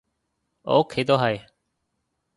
我屋企都係